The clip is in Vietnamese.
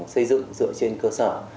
xây dựng dựa trên cơ sở